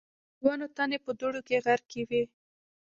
د ونو تنې په دوړو کې غرقي وې.